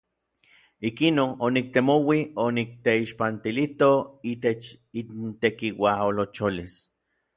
Ikinon oniktemouij onikteixpantilito itech intekiuajolocholis.